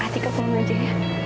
bang atika belum aja ya